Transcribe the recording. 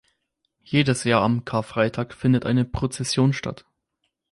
Jedes Jahr am Karfreitag findet eine Prozession statt.